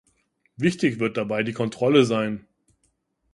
Wichtig wird dabei die Kontrolle sein.